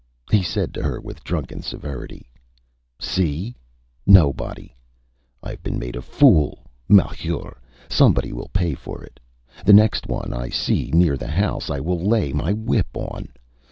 He said to her with drunken severity ÂSee? Nobody. IÂve been made a fool! Malheur! Somebody will pay for it. The next one I see near the house I will lay my whip on